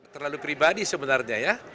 terlalu pribadi sebenarnya ya